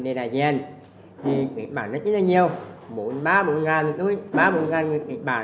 doanh nghiệp đuc